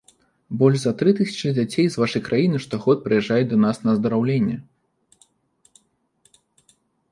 Больш за тры тысячы дзяцей з вашай краіны штогод прыязджаюць да нас на аздараўленне.